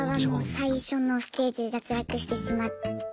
最初のステージで脱落してしまって。